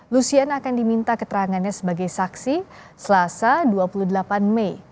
lucian akan diminta keterangannya sebagai saksi selasa dua puluh delapan mei